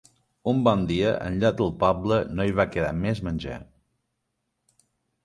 Un bon dia enlloc del poble no hi va quedar més menjar.